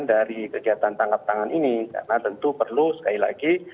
dari kegiatan tangkap tangan ini karena tentu perlu sekali lagi